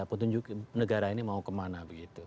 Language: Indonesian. untuk menunjukkan negara ini mau kemana